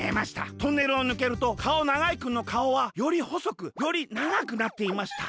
トンネルをぬけるとかおながいくんのかおはよりほそくよりながくなっていました。